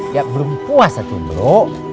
ya belum puas ya tuh bro